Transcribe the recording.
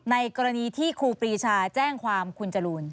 ในกรณีที่ครูปรีชาแจ้งความคุณจรูน